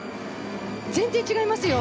全然違いますよ。